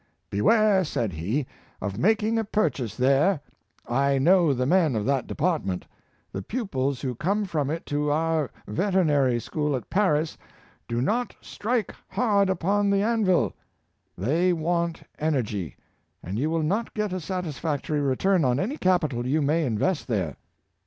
^' Beware," said he, "of making a purchase there; I know the men of that department ; the pupils who come from it to our veternary school at Paris do not stril^a hard upon the anvil j they want energy; and you will i8 274 Force of Pur pose, not get a satisfactory return on any capital you may invest there."